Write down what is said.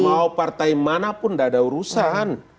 mau partai mana pun enggak ada urusan